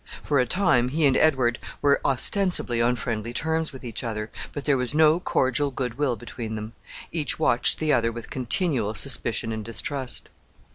For a time, he and Edward were ostensibly on friendly terms with each other, but there was no cordial good will between them. Each watched the other with continual suspicion and distrust.